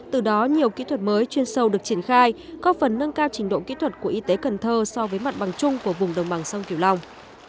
từ đó nhiều kỹ thuật mới chuyên sâu được triển khai có phần nâng cao trình độ kỹ thuật của y tế cần thơ so với mặt bằng chung của vùng đồng bằng sông kiều long